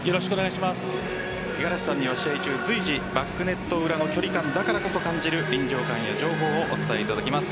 五十嵐さんには試合中随時、バックネット裏の距離感だからこそ感じる臨場感や情報を伝えしていただきます。